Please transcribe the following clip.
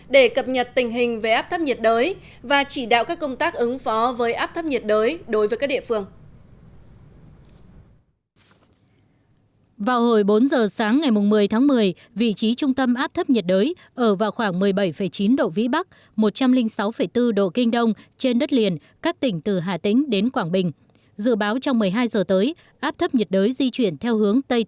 để cập nhật tình hình về áp thấp nhiệt đới và chỉ đạo các công tác ứng phó với áp thấp nhiệt đới đối với các địa phương